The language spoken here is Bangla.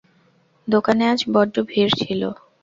দোকানে আজ বড্ড ভিড় ছিল।